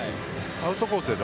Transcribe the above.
アウトコース